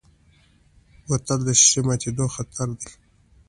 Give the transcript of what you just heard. بوتل د ښیښې ماتیدو خطر لري.